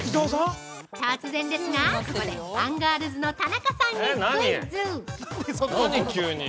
突然ですがここで、アンガールズの田中さんにクイズ！